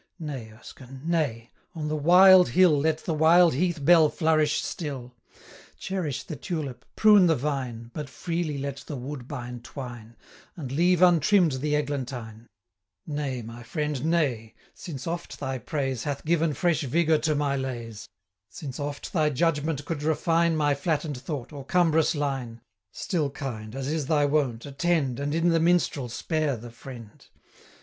Nay, Erskine, nay On the wild hill 230 Let the wild heath bell flourish still; Cherish the tulip, prune the vine, But freely let the woodbine twine, And leave untrimm'd the eglantine: Nay, my friend, nay Since oft thy praise 235 Hath given fresh vigour to my lays; Since oft thy judgment could refine My flatten'd thought, or cumbrous line; Still kind, as is thy wont, attend, And in the minstrel spare the friend.